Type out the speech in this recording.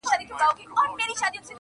• یوه سړي خو په یوه ټلیفوني رپوټ کي -